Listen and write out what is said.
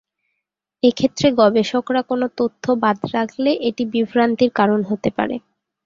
এক্ষেত্রে গবেষকরা কোনো তথ্য বাদ রাখলে এটি বিভ্রান্তির কারণ হতে পারে।